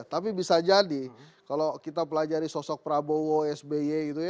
tapi bisa jadi kalau kita pelajari sosok prabowo sby